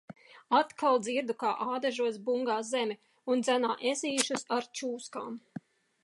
Atkal dzirdu, kā Ādažos bungā zemi un dzenā ezīšus ar čūskām.